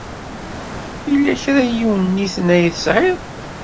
Yella kra n yiwenniten ay tesɛiḍ?